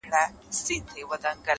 نه ، نه داسي نه ده،